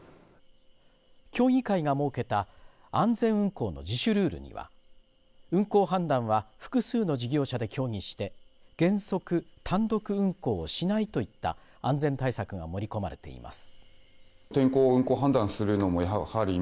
協議会が設けた安全運航の自主ルールには運航判断は複数の事業者で協議して原則、単独運航をしないといった安全対策が盛り込まれています。